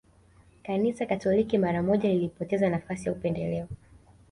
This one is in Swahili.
Kanisa Katoliki mara moja lilipoteza nafasi ya upendeleo